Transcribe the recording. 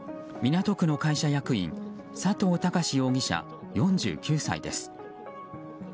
港区の会社役員佐藤尚容疑者、４９歳です。